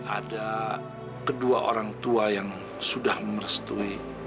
ada kedua orang tua yang sudah merestui